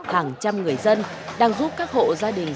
hàng trăm người dân đang giúp các hộ gia đình